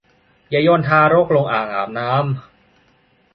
อย่าโยนทารกลงอ่างอาบน้ำ